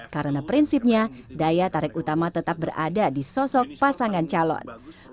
karena prinsipnya daya tarik utama tetap berada di sosok pasangan calon